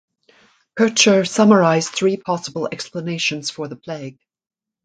Kircher summarised three possible explanations for the plague.